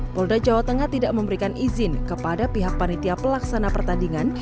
polda jawa tengah tidak memberikan izin kepada pihak panitia pelaksana pertandingan